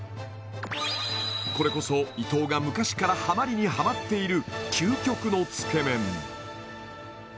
これこそ伊藤が昔からハマりにハマっている